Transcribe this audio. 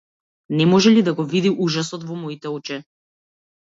Не може ли да го види ужасот во моите очи?